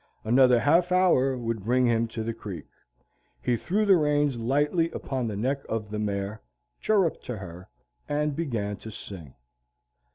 Another half hour would bring him to the creek. He threw the reins lightly upon the neck of the mare, chirruped to her, and began to sing.